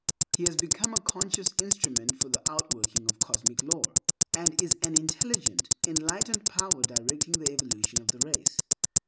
He has become a conscious instrument for the outworking of cosmic law, and is an intelligent, enlightened power directing the evolution of the Race.